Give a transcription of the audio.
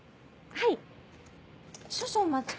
はい？